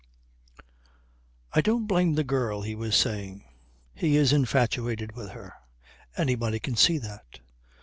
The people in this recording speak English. "I don't blame the girl," he was saying. "He is infatuated with her. Anybody can see that.